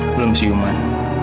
belum sih umar